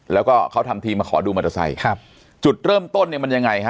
แล้วก็เขาทำทีมาขอดูมอเตอร์ไซค์ครับจุดเริ่มต้นเนี่ยมันยังไงฮะ